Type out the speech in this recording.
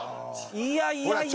いやいやいやいや。